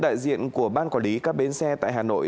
đại diện của ban quản lý các bến xe tại hà nội